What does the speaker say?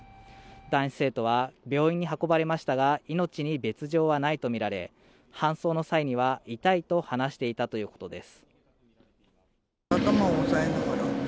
男子生徒は病院に運ばれましたが命に別状はないとみられ搬送の際には痛いと話していたということです